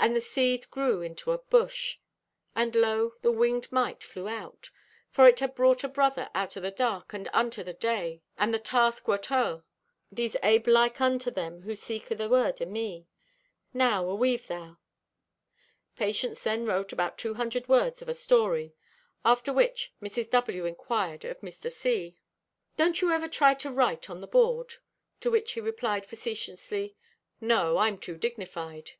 And the Seed grew into a bush. "And lo, the winged Mite flew out: for it had brought a brother out o' the dark and unto the Day, and the task wert o'er. "These abe like unto them who seek o' the words o' me. "Now aweave thou." Patience then wrote about two hundred words of a story, after which Mrs. W. inquired of Mr. C: "Don't you ever try to write on the board?" To which he replied facetiously, "No, I'm too dignified."